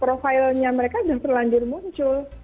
profilnya mereka sudah terlanjur muncul